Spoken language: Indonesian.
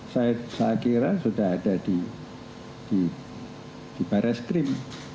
saya kira sudah ada di baris krim